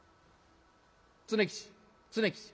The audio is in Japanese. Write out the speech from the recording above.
「常吉常吉。